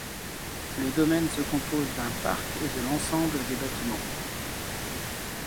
Le domaine se compose d'un parc et de l'ensemble des bâtiments.